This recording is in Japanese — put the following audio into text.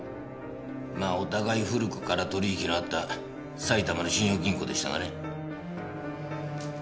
まあお互い古くから取引のあった埼玉の信用金庫でしたがね。